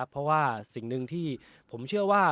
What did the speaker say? เพราะว่าสิ่งหนึ่งที่ผมเชื่อว่า